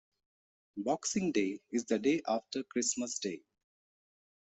Boxing Day is the day after Christmas Day.